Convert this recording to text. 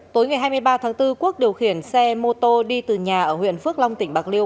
tối ngày hai mươi ba tháng bốn quốc điều khiển xe mô tô đi từ nhà ở huyện phước long tỉnh bạc liêu